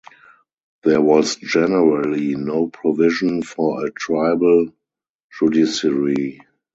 There was generally no provision for a Tribal Judiciary.